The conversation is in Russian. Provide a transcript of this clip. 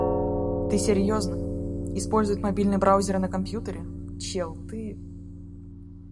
Ты серьезно? Использовать мобильный браузер на компьютере? Чел, ты...